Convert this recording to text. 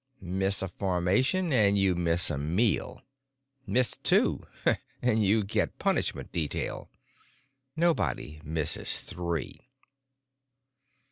Miss a formation and you miss a meal. Miss two, and you get punishment detail. Nobody misses three."